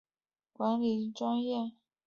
毕业于商丘师范学院行政管理专业。